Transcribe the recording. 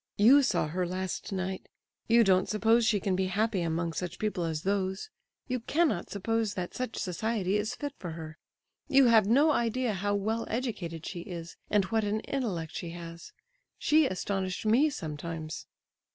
You saw her last night. You don't suppose she can be happy among such people as those—you cannot suppose that such society is fit for her? You have no idea how well educated she is, and what an intellect she has! She astonished me sometimes."